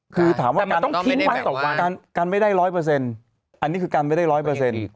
คือถามว่ากันต้องทิ้งไหมกันไม่ได้ร้อยเปอร์เซ็นต์อันนี้คือกันไม่ได้ร้อยเปอร์เซ็นต์